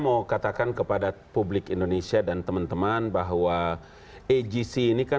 untuk memiliki hubungan yang lebih harmonis